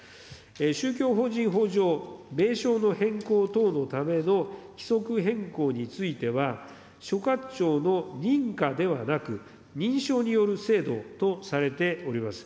宗教法人法上、名称の変更等のための規則変更については、所轄庁の認可ではなく、認証による制度とされております。